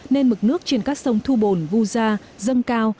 nên mực nước trên các sông thu bồn vu gia dâng cao